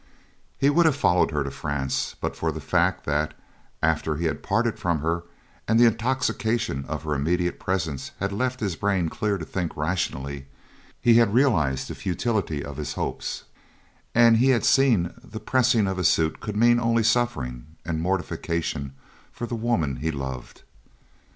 He would have followed her to France but for the fact that, after he had parted from her and the intoxication of her immediate presence had left his brain clear to think rationally, he had realized the futility of his hopes, and he had seen that the pressing of his suit could mean only suffering and mortification for the woman he loved.